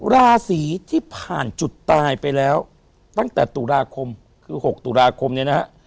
ราศีที่ผ่านจุดตายไปแล้วตั้งแต่ตุลาคมคือ๖ตุลาคมเนี่ยนะฮะ